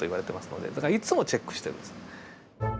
だからいつもチェックしてるんです。